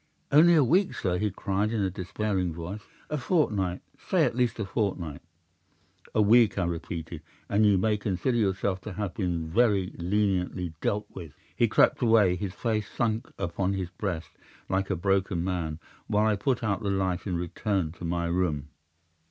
"'"Only a week, sir?" he cried, in a despairing voice. "A fortnight—say at least a fortnight!" "'"A week," I repeated, "and you may consider yourself to have been very leniently dealt with." "'He crept away, his face sunk upon his breast, like a broken man, while I put out the light and returned to my room.